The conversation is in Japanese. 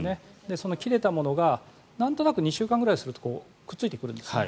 その切れたものがなんとなく２週間ぐらいするとくっついてくるんですね。